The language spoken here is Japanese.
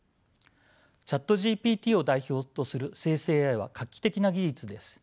ＣｈａｔＧＰＴを代表とする生成ＡＩは画期的な技術です。